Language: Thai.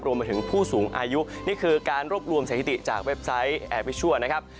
รวมไปถึงผู้สูงอายุนี่คือการรวบรวมสถิติจากเว็บไซต์แอร์วิชัวร์นะครับ